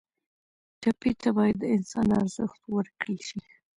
ټپي ته باید د انسان ارزښت ورکړل شي.